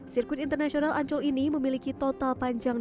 sirkuit internasional ancol ini memiliki total panjang dua empat km